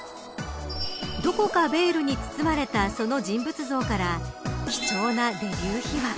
どこかベールに包まれたその人物像から貴重なデビュー秘話。